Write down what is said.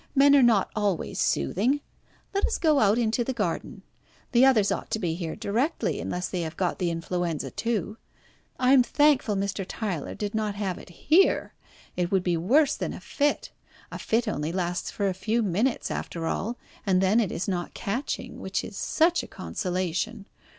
Men are not always soothing. Let us go out into the garden. The others ought to be here directly, unless they have got the influenza too. I am thankful Mr. Tyler did not have it here. It would be worse than a fit. A fit only lasts for a few minutes after all, and then it is not catching, which is such a consolation.